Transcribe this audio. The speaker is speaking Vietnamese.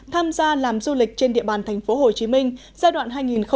tham gia làm du lịch trên địa bàn tp hcm giai đoạn hai nghìn một mươi chín hai nghìn hai mươi